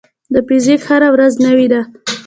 د فزیک هره ورځ نوې ده.